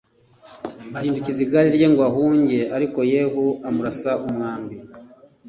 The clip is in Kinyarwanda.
guhindukiza igare rye ngo ahunge arikoYehu amurasa umwambi